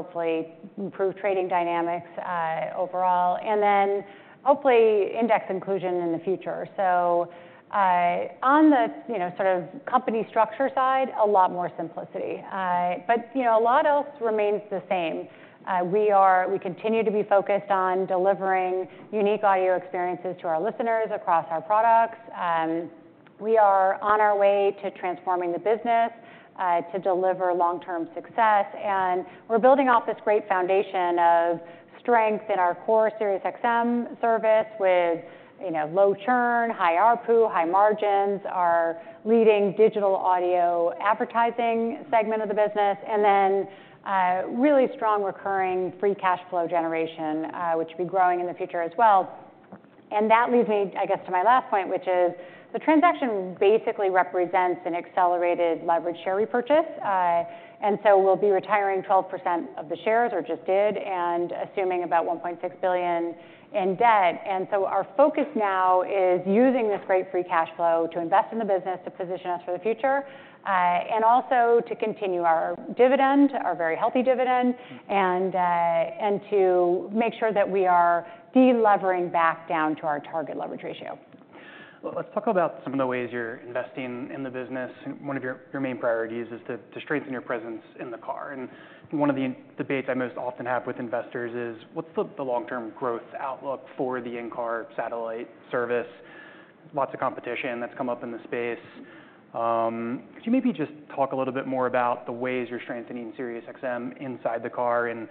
Hopefully improve trading dynamics overall, and then hopefully index inclusion in the future. So, on the, you know, sort of company structure side, a lot more simplicity. But, you know, a lot else remains the same. We continue to be focused on delivering unique audio experiences to our listeners across our products. We are on our way to transforming the business to deliver long-term success, and we're building off this great foundation of strength in our core SiriusXM service with, you know, low churn, high ARPU, high margins, our leading digital audio advertising segment of the business, and then really strong recurring free cash flow generation, which will be growing in the future as well. And that leads me, I guess, to my last point, which is the transaction basically represents an accelerated leverage share repurchase. And so we'll be retiring 12% of the shares, or just did, and assuming about $1.6 billion in debt. And so our focus now is using this great free cash flow to invest in the business to position us for the future, and also to continue our dividend, our very healthy dividend, and, and to make sure that we are de-levering back down to our target leverage ratio. Let's talk about some of the ways you're investing in the business. One of your main priorities is to strengthen your presence in the car. One of the debates I most often have with investors is: What's the long-term growth outlook for the in-car satellite service? Lots of competition that's come up in the space. Could you maybe just talk a little bit more about the ways you're strengthening SiriusXM inside the car and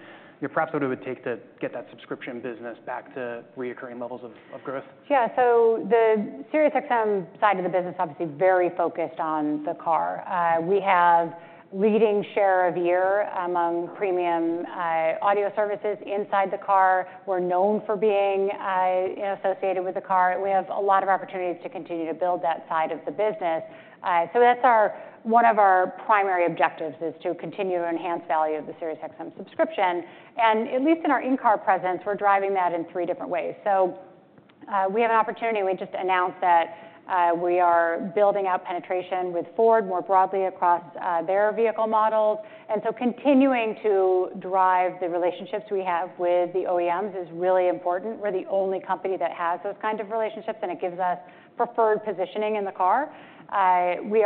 perhaps what it would take to get that subscription business back to recurring levels of growth? Yeah, so the SiriusXM side of the business, obviously very focused on the car. We have leading share of ear among premium audio services inside the car. We're known for being associated with the car. We have a lot of opportunities to continue to build that side of the business, so that's one of our primary objectives, is to continue to enhance value of the SiriusXM subscription. And at least in our in-car presence, we're driving that in three different ways, so we have an opportunity. We just announced that we are building out penetration with Ford more broadly across their vehicle models, and so continuing to drive the relationships we have with the OEMs is really important. We're the only company that has those kind of relationships, and it gives us preferred positioning in the car. We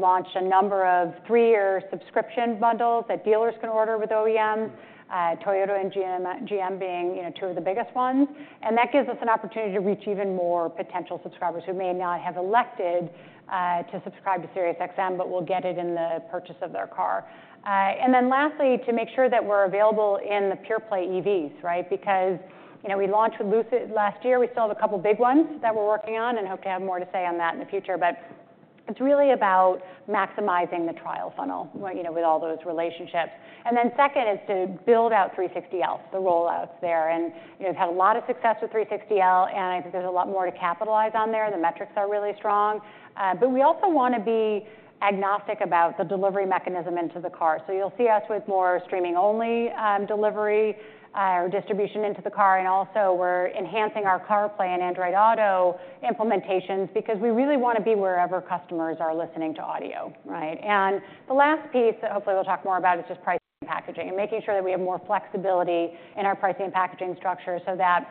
launched a number of three-year subscription bundles that dealers can order with OEMs, Toyota and GM, GM being, you know, two of the biggest ones, and that gives us an opportunity to reach even more potential subscribers who may not have elected to subscribe to SiriusXM, but will get it in the purchase of their car, and then lastly, to make sure that we're available in the pure-play EVs, right? Because, you know, we launched with Lucid last year. We still have a couple of big ones that we're working on and hope to have more to say on that in the future, but it's really about maximizing the trial funnel, you know, with all those relationships, and then second is to build out 360L, the rollouts there. You know, we've had a lot of success with 360L, and I think there's a lot more to capitalize on there. The metrics are really strong, but we also want to be agnostic about the delivery mechanism into the car. You'll see us with more streaming-only delivery or distribution into the car, and also we're enhancing our CarPlay and Android Auto implementations because we really want to be wherever customers are listening to audio, right? The last piece that hopefully we'll talk more about is just pricing and packaging, and making sure that we have more flexibility in our pricing and packaging structure so that,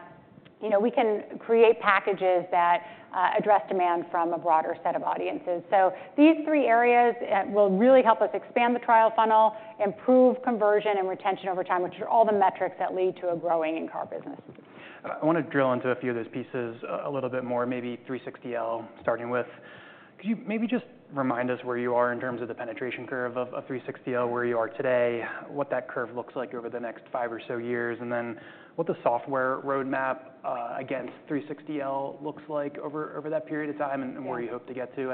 you know, we can create packages that address demand from a broader set of audiences. So these three areas will really help us expand the trial funnel, improve conversion and retention over time, which are all the metrics that lead to a growing in-car business. I want to drill into a few of those pieces a little bit more, maybe 360L, starting with, could you maybe just remind us where you are in terms of the penetration curve of 360L, where you are today, what that curve looks like over the next five or so years, and then what the software roadmap against 360L looks like over that period of time? Yeah. -and where you hope to get to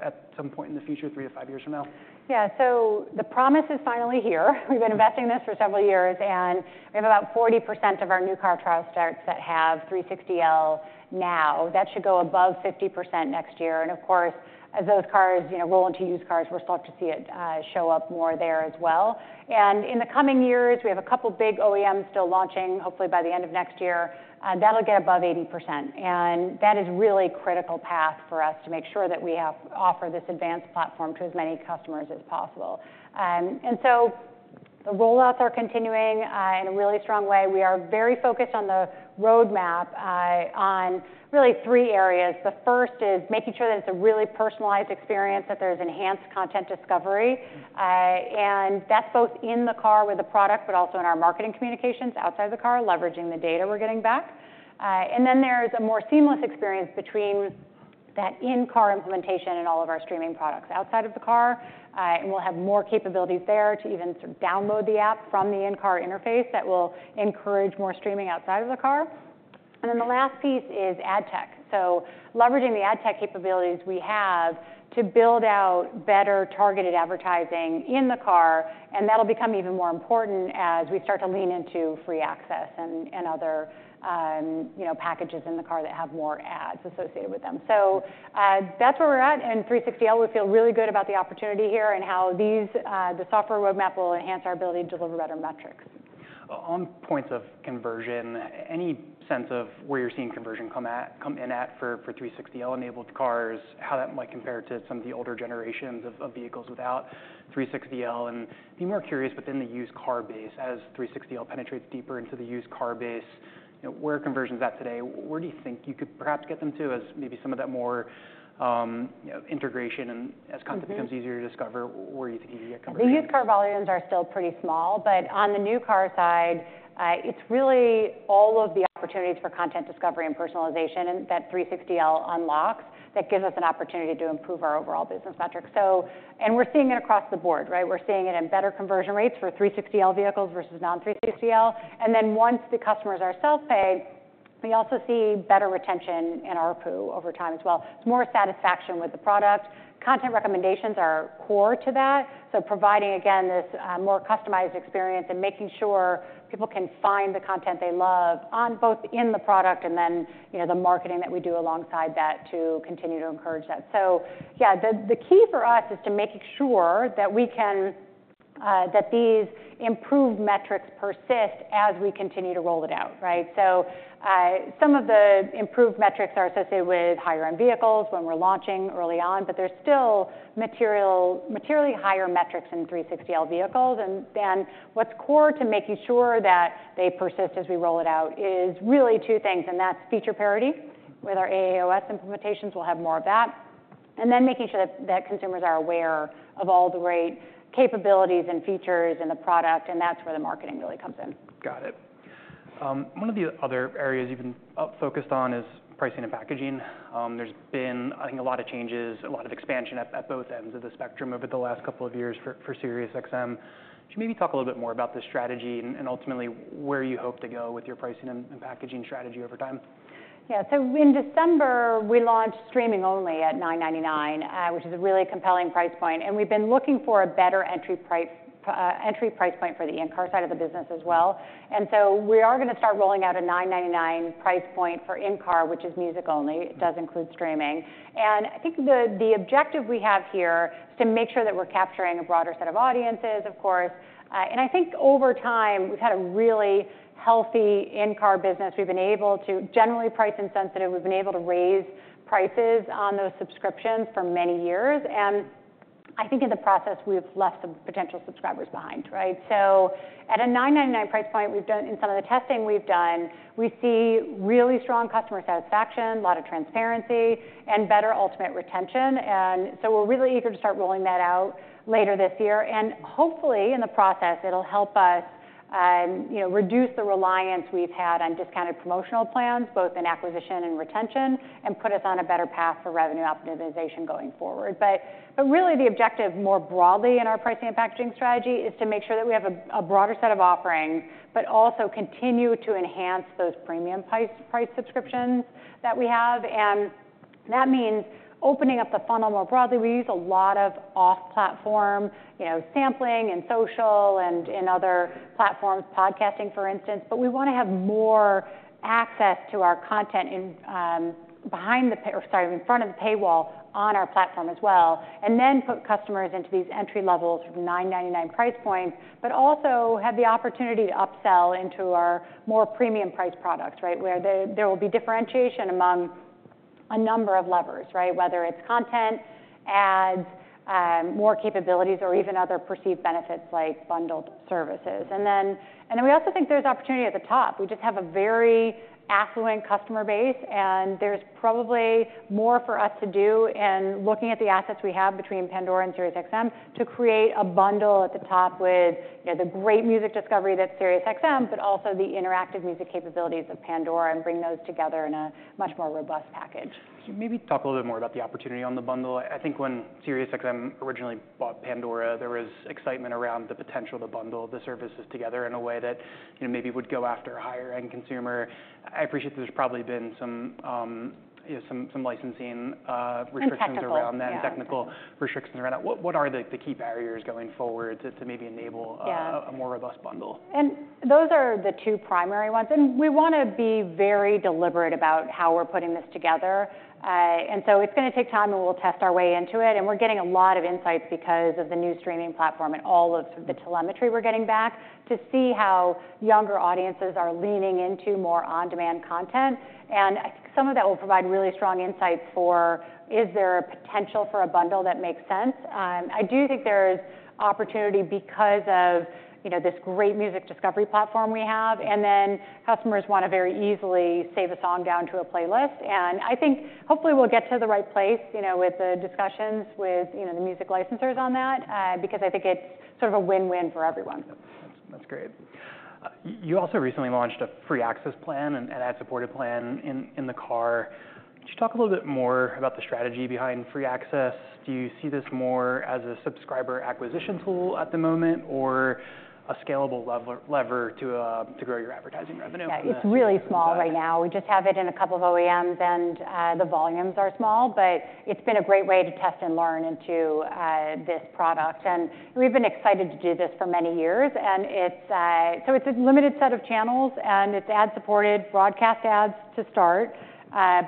at some point in the future, three to five years from now? Yeah. So the promise is finally here. We've been investing in this for several years, and we have about 40% of our new car trial starts that have 360L now. That should go above 50% next year. And of course, as those cars, you know, roll into used cars, we'll start to see it show up more there as well. And in the coming years, we have a couple big OEMs still launching, hopefully, by the end of next year. That'll get above 80%, and that is really critical path for us to make sure that we offer this advanced platform to as many customers as possible. And so the rollouts are continuing in a really strong way. We are very focused on the roadmap on really three areas. The first is making sure that it's a really personalized experience, that there's enhanced content discovery, and that's both in the car with the product, but also in our marketing communications outside the car, leveraging the data we're getting back. And then there's a more seamless experience between that in-car implementation and all of our streaming products outside of the car. And we'll have more capabilities there to even sort of download the app from the in-car interface. That will encourage more streaming outside of the car. And then the last piece is ad tech. So leveraging the ad tech capabilities we have to build out better targeted advertising in the car, and that'll become even more important as we start to lean into free access and, and other, you know, packages in the car that have more ads associated with them. So, that's where we're at in 360L. We feel really good about the opportunity here and how these, the software roadmap will enhance our ability to deliver better metrics. On points of conversion, any sense of where you're seeing conversion come in at for 360L-enabled cars? How that might compare to some of the older generations of vehicles without 360L? And be more curious within the used car base. As 360L penetrates deeper into the used car base, you know, where are conversions at today? Where do you think you could perhaps get them to as maybe some of that more, you know, integration and as content Mm-hmm becomes easier to discover, where you think you get conversions? The used car volumes are still pretty small, but on the new car side, it's really all of the opportunities for content discovery and personalization that 360L unlocks that gives us an opportunity to improve our overall business metrics. And we're seeing it across the board, right? We're seeing it in better conversion rates for 360L vehicles versus non-360L. And then once the customers are self-pay, we also see better retention in ARPU over time as well. It's more satisfaction with the product. Content recommendations are core to that, so providing, again, this, more customized experience and making sure people can find the content they love on both in the product and then, you know, the marketing that we do alongside that to continue to encourage that. So yeah, the key for us is to making sure that these improved metrics persist as we continue to roll it out, right? Some of the improved metrics are associated with higher-end vehicles when we're launching early on, but there's still materially higher metrics in 360L vehicles, and what's core to making sure that they persist as we roll it out is really two things, and that's feature parity. With our AAOS implementations, we'll have more of that, and then making sure that consumers are aware of all the great capabilities and features in the product, and that's where the marketing really comes in. Got it. One of the other areas you've been focused on is pricing and packaging. There's been, I think, a lot of changes, a lot of expansion at both ends of the spectrum over the last couple of years for SiriusXM. Could you maybe talk a little bit more about the strategy and ultimately, where you hope to go with your pricing and packaging strategy over time? Yeah. So in December, we launched streaming only at $9.99, which is a really compelling price point, and we've been looking for a better entry price, entry price point for the in-car side of the business as well. And so we are gonna start rolling out a $9.99 price point for in-car, which is music only. It does include streaming. And I think the objective we have here is to make sure that we're capturing a broader set of audiences, of course, and I think over time we've had a really healthy in-car business. We've been able to generally price insensitive, we've been able to raise prices on those subscriptions for many years, and I think in the process, we've left some potential subscribers behind, right? At a $9.99 price point, we've done, in some of the testing we've done, we see really strong customer satisfaction, a lot of transparency, and better ultimate retention. We're really eager to start rolling that out later this year. Hopefully, in the process, it'll help us, you know, reduce the reliance we've had on discounted promotional plans, both in acquisition and retention, and put us on a better path for revenue optimization going forward. But really, the objective more broadly in our pricing and packaging strategy is to make sure that we have a broader set of offerings, but also continue to enhance those premium price subscriptions that we have. That means opening up the funnel more broadly. We use a lot of off-platform, you know, sampling and social and in other platforms, podcasting, for instance. But we wanna have more access to our content in, behind the pay... Sorry, in front of the paywall on our platform as well, and then put customers into these entry-level sort of $9.99 price points, but also have the opportunity to upsell into our more premium price products, right? Where there will be differentiation among a number of levers, right? Whether it's content, ads, more capabilities, or even other perceived benefits like bundled services. And then we also think there's opportunity at the top. We just have a very affluent customer base, and there's probably more for us to do in looking at the assets we have between Pandora and SiriusXM to create a bundle at the top with, you know, the great music discovery that's SiriusXM, but also the interactive music capabilities of Pandora and bring those together in a much more robust package. Could you maybe talk a little bit more about the opportunity on the bundle? I think when SiriusXM originally bought Pandora, there was excitement around the potential to bundle the services together in a way that, you know, maybe would go after a higher-end consumer. I appreciate there's probably been some, you know, licensing restrictions- And technical around that. Yeah. Technical restrictions around it. What are the key barriers going forward to maybe enable- Yeah a more robust bundle? And those are the two primary ones, and we wanna be very deliberate about how we're putting this together. And so it's gonna take time, and we'll test our way into it, and we're getting a lot of insights because of the new streaming platform and all of the telemetry we're getting back to see how younger audiences are leaning into more on-demand content. And I think some of that will provide really strong insights for: Is there a potential for a bundle that makes sense? I do think there's opportunity because of, you know, this great music discovery platform we have, and then customers wanna very easily save a song down to a playlist. I think, hopefully, we'll get to the right place, you know, with the discussions with, you know, the music licensors on that, because I think it's sort of a win-win for everyone. That's great. You also recently launched a free access plan, an ad-supported plan in the car. Could you talk a little bit more about the strategy behind free access? Do you see this more as a subscriber acquisition tool at the moment, or a scalable lever to grow your advertising revenue from that? Yeah, it's really small right now. We just have it in a couple of OEMs, and the volumes are small, but it's been a great way to test and learn into this product, and we've been excited to do this for many years, and it's so it's a limited set of channels, and it's ad-supported, broadcast ads to start,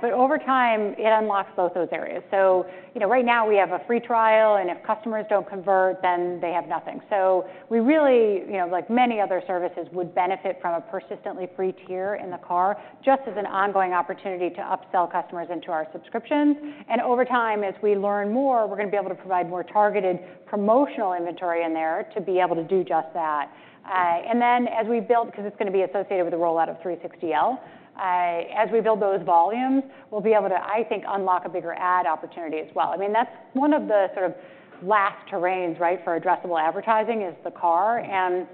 but over time, it unlocks both those areas, so you know, right now, we have a free trial, and if customers don't convert, then they have nothing, so we really, you know, like many other services, would benefit from a persistently free tier in the car, just as an ongoing opportunity to upsell customers into our subscriptions, and over time, as we learn more, we're gonna be able to provide more targeted promotional inventory in there to be able to do just that. And then, as we build, because it's gonna be associated with the rollout of 360L, as we build those volumes, we'll be able to, I think, unlock a bigger ad opportunity as well. I mean, that's one of the sort of last terrains, right, for addressable advertising, is the car. And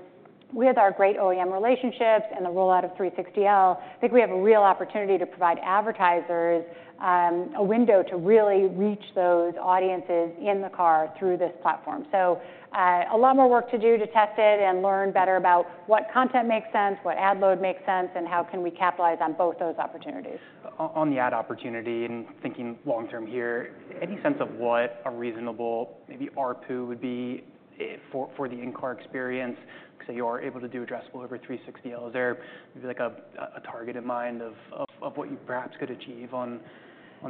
with our great OEM relationships and the rollout of 360L, I think we have a real opportunity to provide advertisers, a window to really reach those audiences in the car through this platform. So, a lot more work to do to test it and learn better about what content makes sense, what ad load makes sense, and how can we capitalize on both those opportunities. On the ad opportunity, and thinking long term here, any sense of what a reasonable maybe ARPU would be, for the in-car experience? Because you are able to do addressable over 360L. Is there maybe, like, a target in mind of what you perhaps could achieve on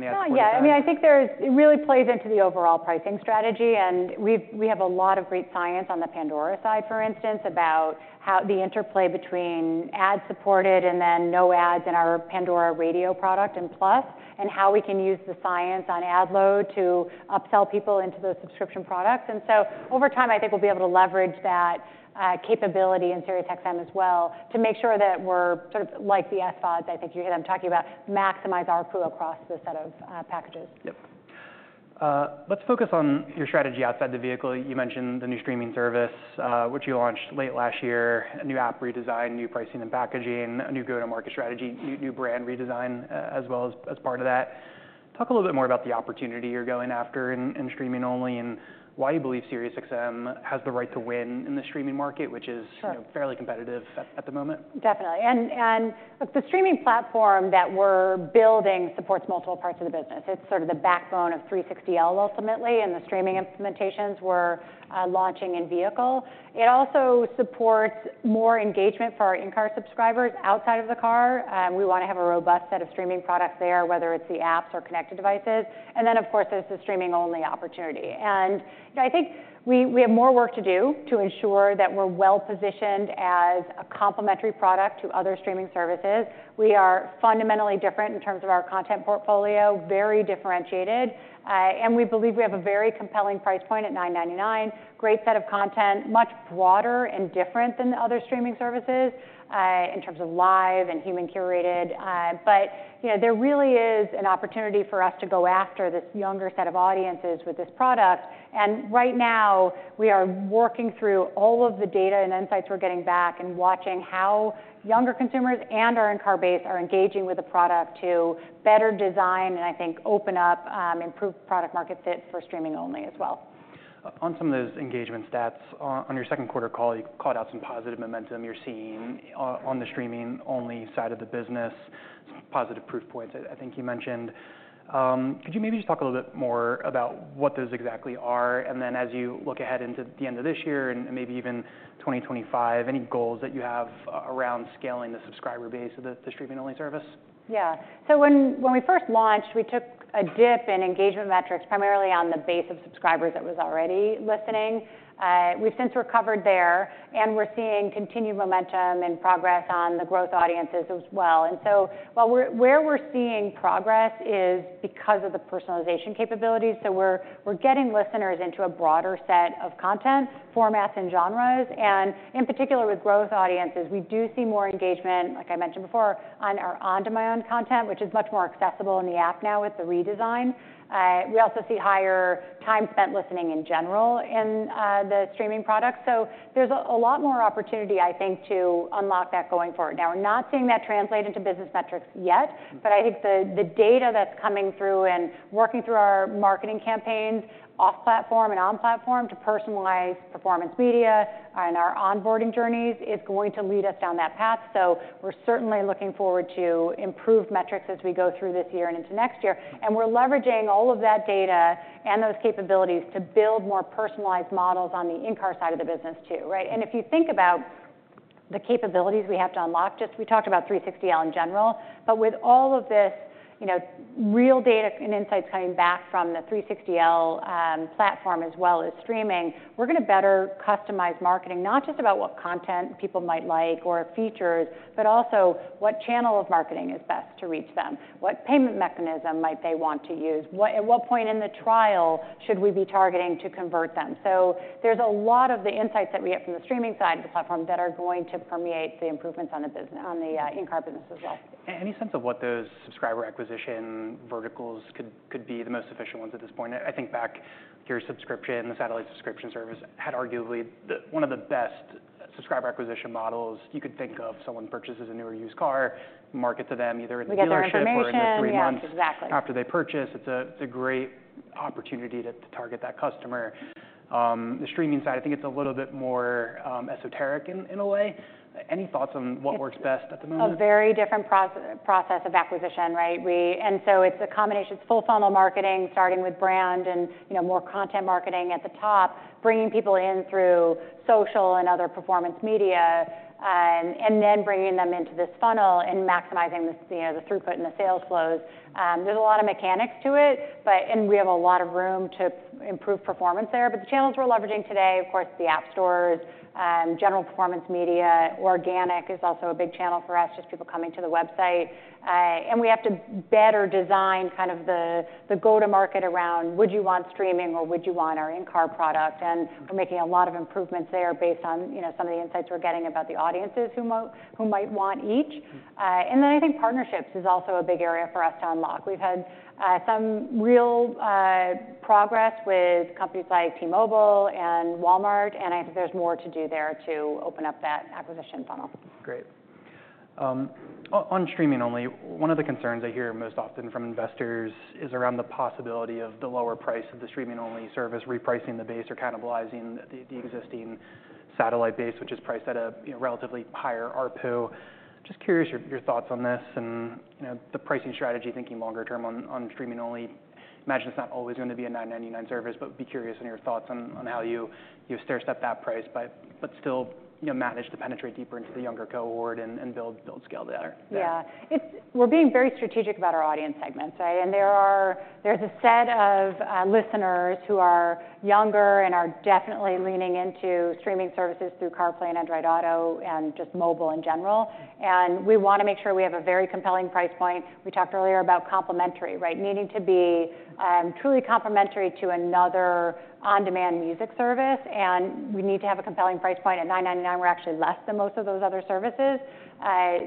the ad play there? Well, yeah. I mean, I think it really plays into the overall pricing strategy, and we have a lot of great science on the Pandora side, for instance, about how the interplay between ad-supported and then no ads in our Pandora Radio product and Plus, and how we can use the science on ad load to upsell people into those subscription products. And so over time, I think we'll be able to leverage that capability in SiriusXM as well, to make sure that we're sort of like the SVODs, I think you hear them talking about, maximize ARPU across the set of packages. Yep. Let's focus on your strategy outside the vehicle. You mentioned the new streaming service, which you launched late last year, a new app redesign, new pricing and packaging, a new go-to-market strategy, new brand redesign, as well as as part of that. Talk a little bit more about the opportunity you're going after in streaming only, and why you believe SiriusXM has the right to win in the streaming market? Sure which is, you know, fairly competitive at the moment. Definitely. Look, the streaming platform that we're building supports multiple parts of the business. It's sort of the backbone of 360L, ultimately, and the streaming implementations we're launching in-vehicle. It also supports more engagement for our in-car subscribers outside of the car. We want to have a robust set of streaming products there, whether it's the apps or connected devices. And then, of course, there's the streaming-only opportunity. And, you know, I think we have more work to do to ensure that we're well-positioned as a complementary product to other streaming services. We are fundamentally different in terms of our content portfolio, very differentiated, and we believe we have a very compelling price point at $9.99. Great set of content, much broader and different than the other streaming services, in terms of live and human-curated. but, you know, there really is an opportunity for us to go after this younger set of audiences with this product, and right now, we are working through all of the data and insights we're getting back and watching how younger consumers and our in-car base are engaging with the product to better design and, I think, open up, improve product market fit for streaming only as well. On some of those engagement stats, on your Q2 call, you called out some positive momentum you're seeing on the streaming-only side of the business. Some positive proof points, I think you mentioned. Could you maybe just talk a little bit more about what those exactly are? And then, as you look ahead into the end of this year and maybe even 2025, any goals that you have around scaling the subscriber base of the streaming-only service? Yeah. So when we first launched, we took a dip in engagement metrics, primarily on the base of subscribers that was already listening. We've since recovered there, and we're seeing continued momentum and progress on the growth audiences as well. And so where we're seeing progress is because of the personalization capabilities, so we're getting listeners into a broader set of content, formats, and genres. And in particular, with growth audiences, we do see more engagement, like I mentioned before, on our On Demand content, which is much more accessible in the app now with the redesign. We also see higher time spent listening in general in the streaming product. So there's a lot more opportunity, I think, to unlock that going forward. Now, we're not seeing that translate into business metrics yet. Mm-hmm But I think the data that's coming through and working through our marketing campaigns, off platform and on platform, to personalize performance media and our onboarding journeys, is going to lead us down that path. So we're certainly looking forward to improved metrics as we go through this year and into next year. And we're leveraging all of that data and those capabilities to build more personalized models on the in-car side of the business, too, right? And if you think about the capabilities we have to unlock, just we talked about 360L in general, but with all of this, you know, real data and insights coming back from the 360L platform, as well as streaming, we're gonna better customize marketing, not just about what content people might like or features, but also what channel of marketing is best to reach them. What payment mechanism might they want to use? At what point in the trial should we be targeting to convert them? So there's a lot of the insights that we get from the streaming side of the platform that are going to permeate the improvements on the business, on the in-car business as well. Any sense of what those subscriber acquisition verticals could be the most efficient ones at this point? I think back to your subscription, the satellite subscription service, had arguably the one of the best subscriber acquisition models, you could think of someone purchases a new or used car, market to them either at the dealership- We get their information. or in the three months. Yeah, exactly. after they purchase. It's a great opportunity to target that customer. The streaming side, I think it's a little bit more esoteric in a way. Any thoughts on what works best at the moment? A very different process of acquisition, right? And so it's a combination, it's full funnel marketing, starting with brand and, you know, more content marketing at the top, bringing people in through social and other performance media, and then bringing them into this funnel and maximizing the, you know, the throughput and the sales flows. There's a lot of mechanics to it, but. We have a lot of room to improve performance there. But the channels we're leveraging today, of course, the app stores, general performance media. Organic is also a big channel for us, just people coming to the website. And we have to better design kind of the go-to-market around, would you want streaming or would you want our in-car product? And we're making a lot of improvements there based on, you know, some of the insights we're getting about the audiences who might want each. And then I think partnerships is also a big area for us to unlock. We've had some real progress with companies like T-Mobile and Walmart, and I think there's more to do there to open up that acquisition funnel. Great. On streaming only, one of the concerns I hear most often from investors is around the possibility of the lower price of the streaming-only service, repricing the base or cannibalizing the existing satellite base, which is priced at a, you know, relatively higher ARPU. Just curious, your thoughts on this and, you know, the pricing strategy, thinking longer term on streaming only. I imagine it's not always going to be a $9.99 service, but be curious on your thoughts on how you've stair-stepped that price, but still, you know, manage to penetrate deeper into the younger cohort and build scale there. Yeah. We're being very strategic about our audience segments, right? And there's a set of listeners who are younger and are definitely leaning into streaming services through CarPlay and Android Auto and just mobile in general. And we want to make sure we have a very compelling price point. We talked earlier about complementary, right? Needing to be truly complementary to another on-demand music service, and we need to have a compelling price point. At $9.99, we're actually less than most of those other services.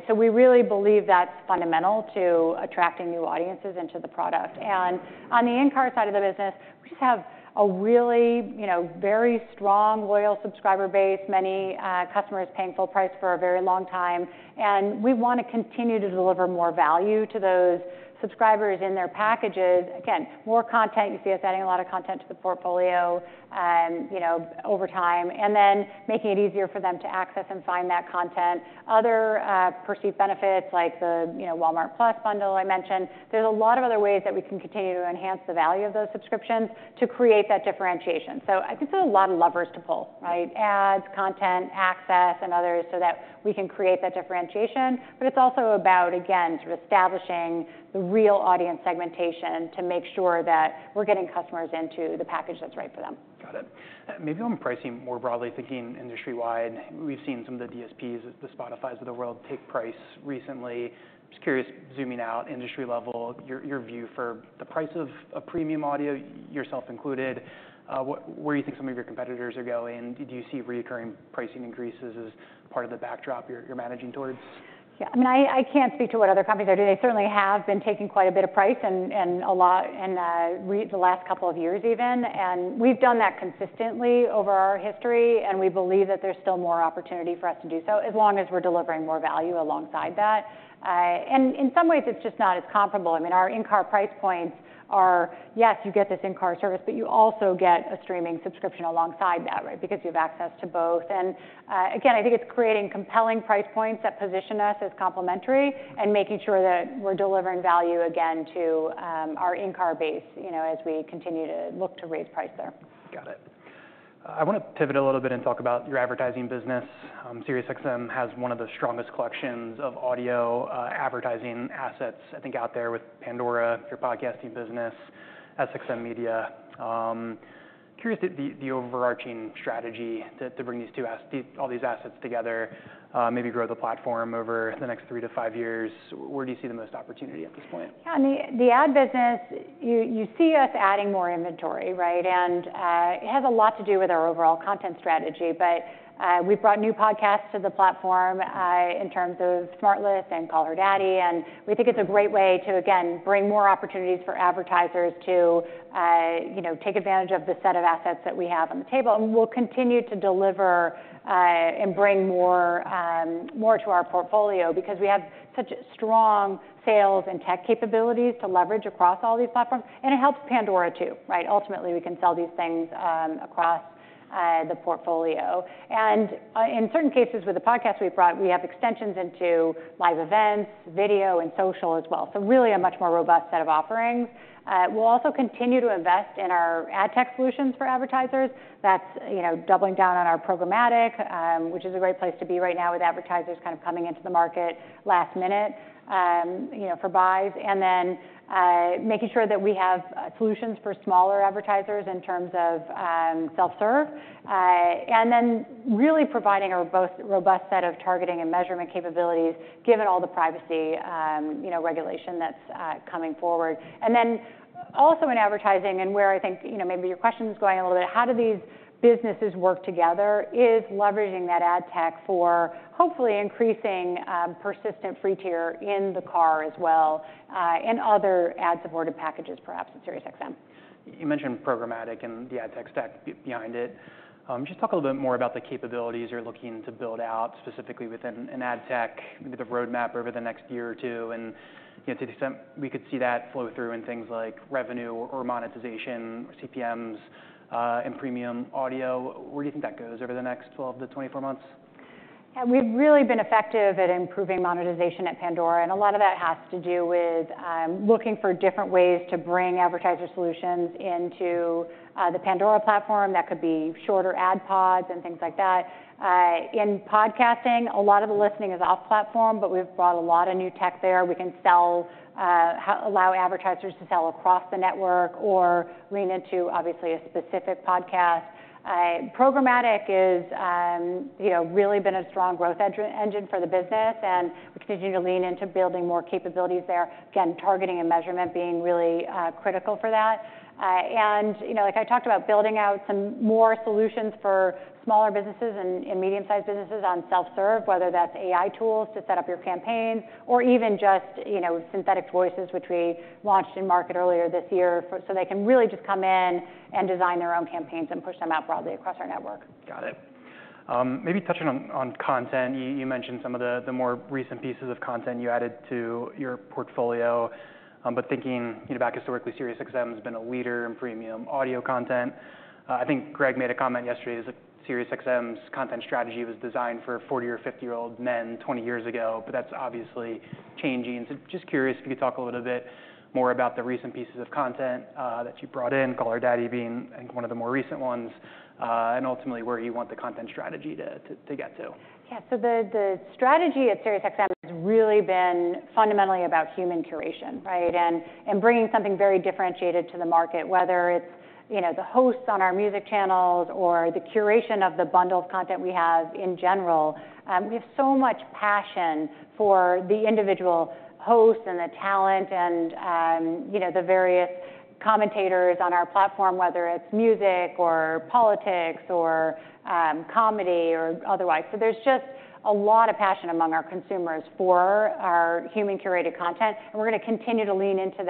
So we really believe that's fundamental to attracting new audiences into the product. On the in-car side of the business, we just have a really, you know, very strong, loyal subscriber base, many, customers paying full price for a very long time, and we want to continue to deliver more value to those subscribers in their packages. Again, more content. You see us adding a lot of content to the portfolio, you know, over time, and then making it easier for them to access and find that content. Other, perceived benefits, like the, you know, Walmart+ bundle I mentioned. There's a lot of other ways that we can continue to enhance the value of those subscriptions to create that differentiation. So I think there are a lot of levers to pull, right? Ads, content, access, and others, so that we can create that differentiation. But it's also about, again, sort of establishing the real audience segmentation to make sure that we're getting customers into the package that's right for them. Got it. Maybe on pricing more broadly, thinking industry-wide, we've seen some of the DSPs, the Spotifys of the world, take price recently. Just curious, zooming out, industry level, your view for the price of a premium audio, yourself included, where you think some of your competitors are going. Do you see recurring pricing increases as part of the backdrop you're managing towards? Yeah, I mean, I can't speak to what other companies are doing. They certainly have been taking quite a bit of price and the last couple of years even, and we've done that consistently over our history, and we believe that there's still more opportunity for us to do so, as long as we're delivering more value alongside that, and in some ways, it's just not as comparable. I mean, our in-car price points are... Yes, you get this in-car service, but you also get a streaming subscription alongside that, right? Because you have access to both, and again, I think it's creating compelling price points that position us as complementary and making sure that we're delivering value again to our in-car base, you know, as we continue to look to raise price there. Got it. I want to pivot a little bit and talk about your advertising business. SiriusXM has one of the strongest collections of audio advertising assets, I think, out there with Pandora, your podcasting business, SXM Media. Curious, the overarching strategy to bring these two assets, all these assets together, maybe grow the platform over the next three to five years. Where do you see the most opportunity at this point? Yeah, I mean, the ad business, you see us adding more inventory, right, and it has a lot to do with our overall content strategy, but we've brought new podcasts to the platform in terms of SmartLess and Call Her Daddy, and we think it's a great way to again bring more opportunities for advertisers to you know take advantage of the set of assets that we have on the table, and we'll continue to deliver and bring more to our portfolio because we have such strong sales and tech capabilities to leverage across all these platforms, and it helps Pandora too, right? Ultimately, we can sell these things across the portfolio. In certain cases, with the podcasts we've brought, we have extensions into live events, video, and social as well, so really a much more robust set of offerings. We'll also continue to invest in our ad tech solutions for advertisers. That's, you know, doubling down on our programmatic, which is a great place to be right now with advertisers kind of coming into the market last minute, you know, for buys, and then making sure that we have solutions for smaller advertisers in terms of self-serve, and really providing a robust set of targeting and measurement capabilities, given all the privacy, you know, regulation that's coming forward. Also in advertising and where I think, you know, maybe your question is going a little bit, how do these businesses work together is leveraging that ad tech for hopefully increasing persistent free tier in the car as well, and other ad-supported packages, perhaps at SiriusXM. You mentioned programmatic and the ad tech stack behind it. Just talk a little bit more about the capabilities you're looking to build out, specifically within an ad tech, maybe the roadmap over the next year or two, and, you know, to the extent we could see that flow through in things like revenue or monetization or CPMs, and premium audio. Where do you think that goes over the next 12 to 24 months? Yeah, we've really been effective at improving monetization at Pandora, and a lot of that has to do with looking for different ways to bring advertiser solutions into the Pandora platform. That could be shorter ad pods and things like that. In podcasting, a lot of the listening is off-platform, but we've brought a lot of new tech there. We can allow advertisers to sell across the network or lean into, obviously, a specific podcast. Programmatic is, you know, really been a strong growth engine for the business, and we continue to lean into building more capabilities there. Again, targeting and measurement being really critical for that. And, you know, like I talked about building out some more solutions for smaller businesses and medium-sized businesses on self-serve, whether that's AI tools to set up your campaign or even just, you know, synthetic voices, which we launched in-market earlier this year, so they can really just come in and design their own campaigns and push them out broadly across our network. Got it. Maybe touching on content. You mentioned some of the more recent pieces of content you added to your portfolio. But thinking, you know, back historically, SiriusXM has been a leader in premium audio content. I think Greg made a comment yesterday that SiriusXM's content strategy was designed for 40 or 50 year-old men twenty years ago, but that's obviously changing. So just curious if you could talk a little bit more about the recent pieces of content that you brought in, Call Her Daddy being, I think, one of the more recent ones, and ultimately where you want the content strategy to get to. Yeah, so the strategy at SiriusXM has really been fundamentally about human curation, right? And bringing something very differentiated to the market, whether it's, you know, the hosts on our music channels or the curation of the bundled content we have in general. We have so much passion for the individual hosts and the talent and, you know, the various commentators on our platform, whether it's music or politics or comedy or otherwise. So there's just a lot of passion among our consumers for our human-curated content, and we're gonna continue to lean into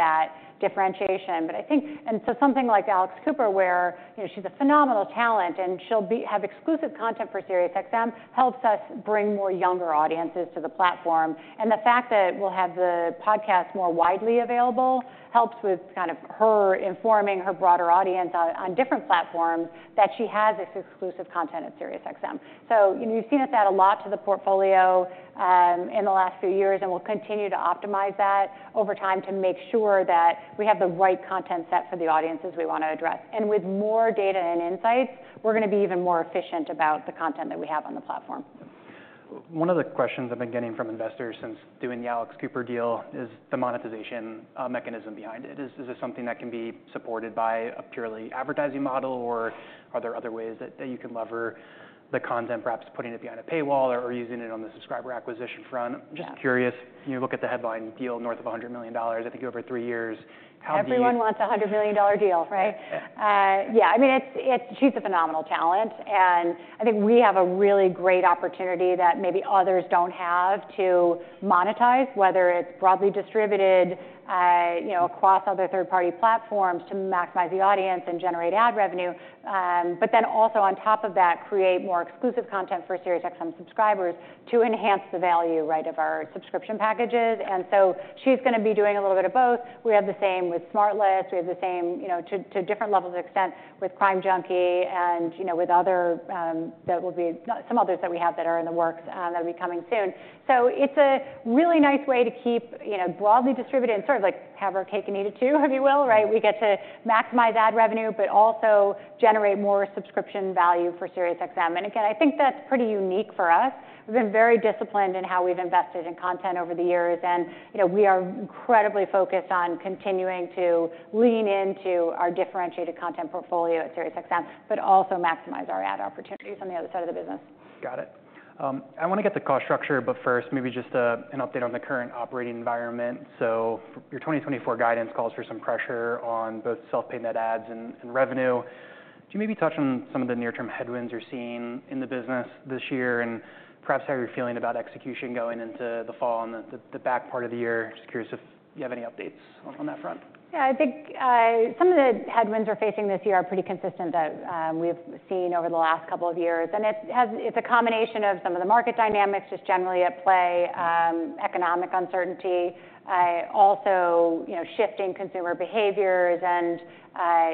that differentiation. But I think and so something like Alex Cooper, where, you know, she's a phenomenal talent, and she'll have exclusive content for SiriusXM, helps us bring more younger audiences to the platform. And the fact that we'll have the podcast more widely available helps with kind of her informing her broader audience on different platforms, that she has this exclusive content at SiriusXM. So, you know, you've seen us add a lot to the portfolio, in the last few years, and we'll continue to optimize that over time to make sure that we have the right content set for the audiences we want to address. And with more data and insights, we're gonna be even more efficient about the content that we have on the platform. One of the questions I've been getting from investors since doing the Alex Cooper deal is the monetization mechanism behind it. Is this something that can be supported by a purely advertising model, or are there other ways that you can leverage the content, perhaps putting it behind a paywall or using it on the subscriber acquisition front? Yeah. Just curious, you know, look at the headline deal, north of $100 million, I think, over three years. How do you- Everyone wants a $100 million deal, right? Yeah. Yeah, I mean, it's... She's a phenomenal talent, and I think we have a really great opportunity that maybe others don't have to monetize, whether it's broadly distributed, you know, across other third-party platforms to maximize the audience and generate ad revenue. But then also on top of that, create more exclusive content for SiriusXM subscribers to enhance the value, right, of our subscription packages. And so she's gonna be doing a little bit of both. We have the same with SmartLess, we have the same, you know, to different levels of extent with Crime Junkie and, you know, with other that will be... Some others that we have that are in the works, that'll be coming soon. So it's a really nice way to keep, you know, broadly distributed and sort of, like, have our cake and eat it too, if you will, right? We get to maximize ad revenue, but also generate more subscription value for SiriusXM. And again, I think that's pretty unique for us. We've been very disciplined in how we've invested in content over the years and, you know, we are incredibly focused on continuing to lean into our differentiated content portfolio at SiriusXM, but also maximize our ad opportunities on the other side of the business. Got it. I want to get to cost structure, but first, maybe just an update on the current operating environment. So your 2024 guidance calls for some pressure on both self-pay net adds and revenue. Could you maybe touch on some of the near-term headwinds you're seeing in the business this year, and perhaps how you're feeling about execution going into the fall and the back part of the year? Just curious if you have any updates on that front. Yeah, I think, some of the headwinds we're facing this year are pretty consistent that, we've seen over the last couple of years. It's a combination of some of the market dynamics just generally at play, economic uncertainty, also, you know, shifting consumer behaviors and,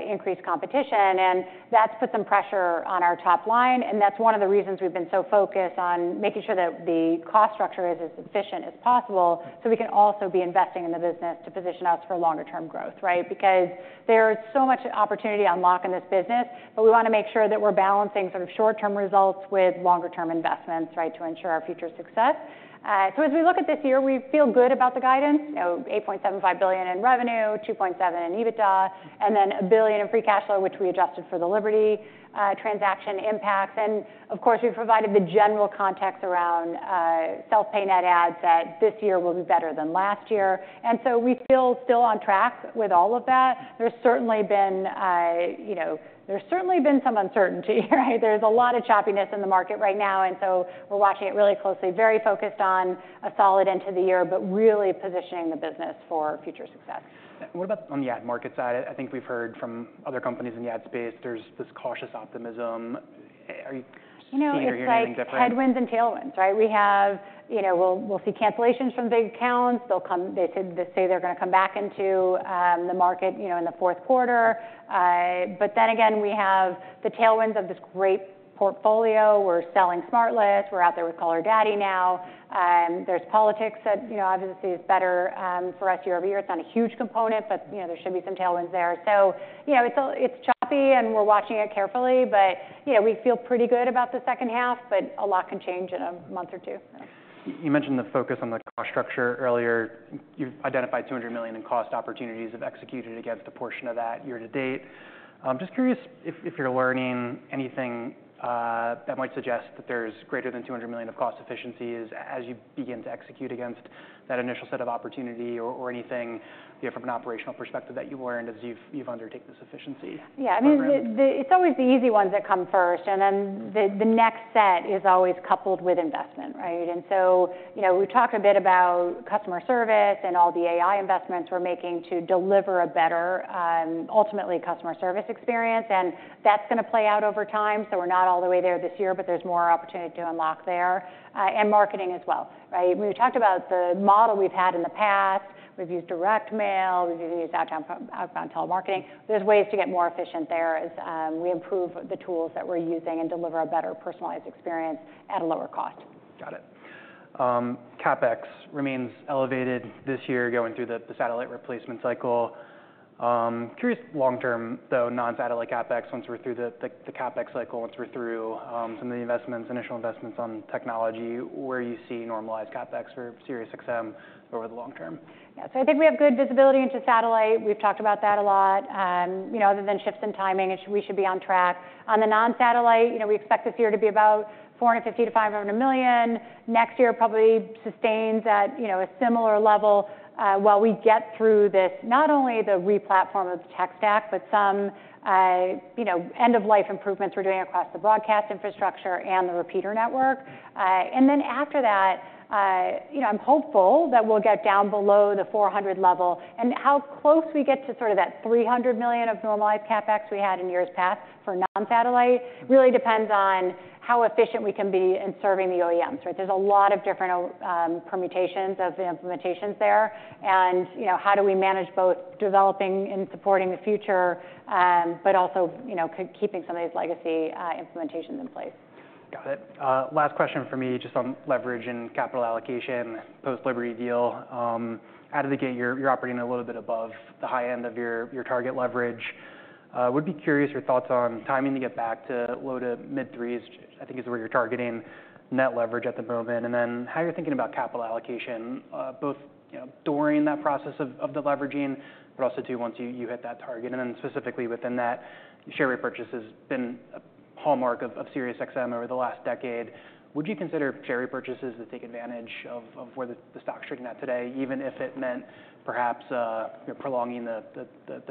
increased competition. And that's put some pressure on our top line, and that's one of the reasons we've been so focused on making sure that the cost structure is as efficient as possible, so we can also be investing in the business to position us for longer-term growth, right? Because there is so much opportunity to unlock in this business, but we want to make sure that we're balancing sort of short-term results with longer-term investments, right, to ensure our future success. So as we look at this year, we feel good about the guidance. You know, $8.75 billion in revenue, $2.7 billion in EBITDA, and then $1 billion in free cash flow, which we adjusted for the Liberty transaction impact. Of course, we've provided the general context around self-pay net adds, that this year will be better than last year. So we feel still on track with all of that. There's certainly been, you know, there's certainly been some uncertainty, right? There's a lot of choppiness in the market right now, and so we're watching it really closely, very focused on a solid end to the year, but really positioning the business for future success. What about on the ad market side? I think we've heard from other companies in the ad space. There's this cautious optimism. Are you seeing or hearing anything different? You know, it's like headwinds and tailwinds, right? You know, we'll see cancellations from big accounts. They'll come. They say they're gonna come back into the market, you know, in the Q4. But then again, we have the tailwinds of this great portfolio. We're selling SmartLess, we're out there with Call Her Daddy now. There's politics that, you know, obviously, is better for us year over year. It's not a huge component, but, you know, there should be some tailwinds there. So, you know, it's choppy, and we're watching it carefully. But, you know, we feel pretty good about the second half, but a lot can change in a month or two. You mentioned the focus on the cost structure earlier. You've identified $200 million in cost opportunities, have executed against a portion of that year to date. I'm just curious if you're learning anything that might suggest that there's greater than $200 million of cost efficiencies as you begin to execute against that initial set of opportunity or anything, you know, from an operational perspective that you've learned as you've undertaken this efficiency? Yeah, I mean- Program. It's always the easy ones that come first, and then the next set is always coupled with investment, right? And so, you know, we talked a bit about customer service and all the AI investments we're making to deliver a better ultimately, customer service experience, and that's gonna play out over time. So we're not all the way there this year, but there's more opportunity to unlock there, and marketing as well, right? When we've talked about the model we've had in the past, we've used direct mail, we've used outbound telemarketing. There's ways to get more efficient there as we improve the tools that we're using and deliver a better personalized experience at a lower cost. Got it. CapEx remains elevated this year, going through the satellite replacement cycle. Curious long term, though, non-satellite CapEx, once we're through the CapEx cycle, once we're through some of the investments, initial investments on technology, where you see normalized CapEx for SiriusXM over the long term? Yeah. So I think we have good visibility into satellite. We've talked about that a lot. You know, other than shifts in timing, we should be on track. On the non-satellite, you know, we expect this year to be about $450 million to 500 million. Next year, probably sustains at, you know, a similar level, while we get through this, not only the replatform of the tech stack, but some, you know, end-of-life improvements we're doing across the broadcast infrastructure and the repeater network. And then after that, you know, I'm hopeful that we'll get down below the $400 million level. And how close we get to sort of that $300 million of normalized CapEx we had in years past for non-satellite, really depends on how efficient we can be in serving the OEMs, right? There's a lot of different permutations of the implementations there. And, you know, how do we manage both developing and supporting the future, but also, you know, keeping some of these legacy implementations in place? Got it. Last question for me, just on leverage and capital allocation, post-Liberty deal. Out of the gate, you're operating a little bit above the high end of your target leverage. Would be curious your thoughts on timing to get back to low to mid-threes, which I think is where you're targeting net leverage at the moment. And then, how you're thinking about capital allocation, both, you know, during that process of the leveraging, but also too once you hit that target. And then specifically within that, share repurchase has been a hallmark of SiriusXM over the last decade. Would you consider share repurchases to take advantage of where the stock's trading at today, even if it meant perhaps, you know, prolonging the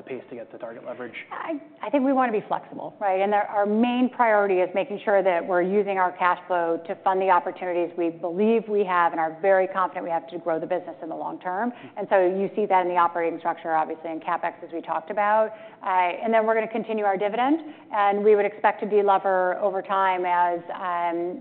pace to get to target leverage? I think we want to be flexible, right? And our main priority is making sure that we're using our cash flow to fund the opportunities we believe we have and are very confident we have to grow the business in the long term. Mm-hmm. And so you see that in the operating structure, obviously, and CapEx, as we talked about. And then we're gonna continue our dividend, and we would expect to delever over time as,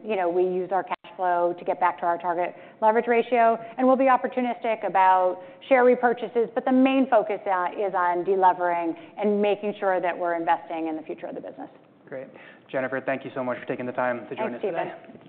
you know, we use our cash flow to get back to our target leverage ratio. And we'll be opportunistic about share repurchases, but the main focus is on delevering and making sure that we're investing in the future of the business. Great. Jennifer, thank you so much for taking the time to join us today.